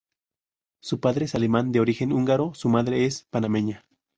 Su padre es alemán de origen húngaro, su madre es panameña.